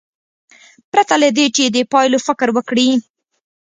پرته له دې چې د پایلو فکر وکړي.